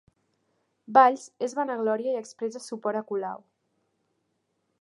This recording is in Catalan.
Valls es vanagloria i expressa suport a Colau